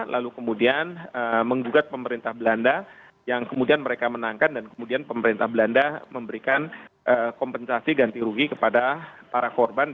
lalu kemudian menggugat pemerintah belanda yang kemudian mereka menangkan dan kemudian pemerintah belanda memberikan kompensasi ganti rugi kepada para korban